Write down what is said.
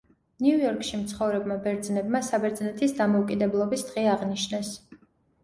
ნიუ-იორკში მცხოვრებმა ბერძნებმა, საბერძნეთის დამოუკიდებლობის დღე აღნიშნეს.